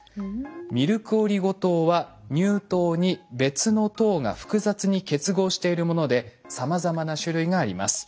ミルクオリゴ糖は乳糖に別の糖が複雑に結合しているものでさまざまな種類があります。